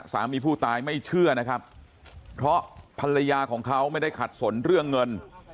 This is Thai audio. สามีผู้ตายไม่เชื่อนะครับเพราะภรรยาของเขาไม่ได้ขัดสนเรื่องเงิน